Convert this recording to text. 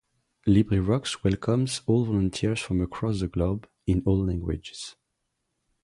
Librivox welcomes all volunteers from across the globe, in all languages